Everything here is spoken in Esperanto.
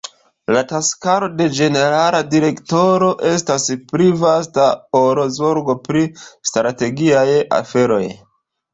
La taskaro de Ĝenerala Direktoro estas pli vasta ol zorgo pri strategiaj aferoj.